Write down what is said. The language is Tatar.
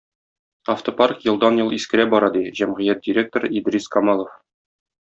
Автопарк елда-ел искерә бара, - ди җәмгыять директоры Идрис Камалов.